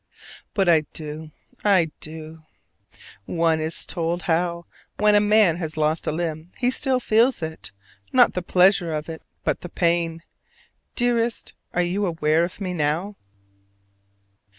But I do, I do. One is told how, when a man has lost a limb, he still feels it, not the pleasure of it but the pain. Dearest, are you aware of me now?